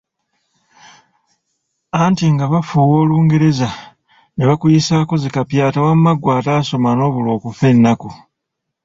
Anti nga bafuuwa olungereza, ne bakuyisaako zi kapyata wamma ggwe atasooma n’obulwa okufa ennaku.